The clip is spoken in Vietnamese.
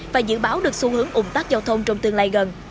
và dự báo được xu hướng ủng tác giao thông trong tương lai gần